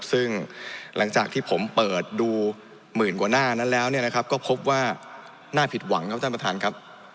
ซึ่งหลังจากที่ผมเปิดดูหมื่นกว่าหน้านั้นแล้วเนี่ยนะครับก็พบว่าน่าผิดหวังครับท่านประธานครับ